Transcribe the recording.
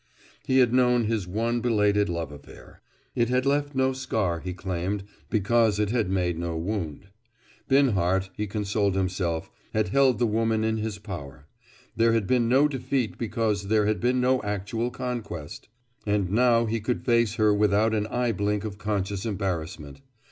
He had known his one belated love affair. It had left no scar, he claimed, because it had made no wound. Binhart, he consoled himself, had held the woman in his power: there had been no defeat because there had been no actual conquest. And now he could face her without an eye blink of conscious embarrassment.